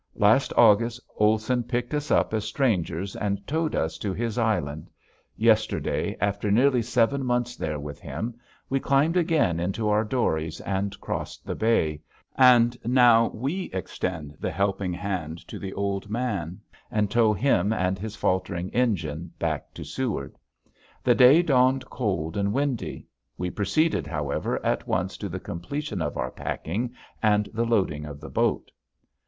Last August Olson picked us up as strangers and towed us to his island; yesterday, after nearly seven months there with him we climbed again into our dories and crossed the bay and now we extend the helping hand to the old man and tow him and his faltering engine back to Seward. The day dawned cold and windy. We proceeded however at once to the completion of our packing and the loading of the boat.